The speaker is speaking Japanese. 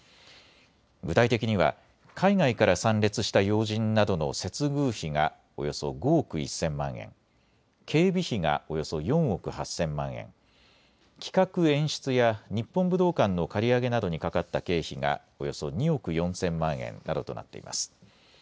具体的には海外から参列した要人などの接遇費がおよそ５億１０００万円、警備費がおよそ４億８０００万円、企画・演出や日本武道館の借り上げなどにかかった経費がおよそ２億４０００万円などとなっています。